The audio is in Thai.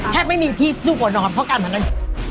แทบไม่มีที่สู้กว่านอนเพราะการพนัก